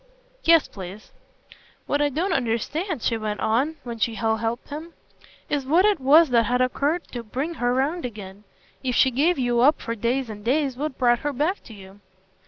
"Yes, please." "What I don't understand," she went on when she had helped him, "is what it was that had occurred to bring her round again. If she gave you up for days and days, what brought her back to you?"